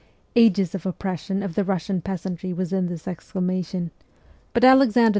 Ages of oppression of the Russian peasantry was in this exclamation ; but Alexander II.